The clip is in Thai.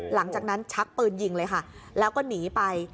หลังจากนั้นชักปืนยิงเลยค่ะแล้วก็หนีไป